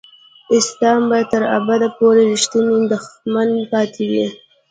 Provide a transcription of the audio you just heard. اسلام به تر ابده پورې رښتینی دښمن پاتې وي.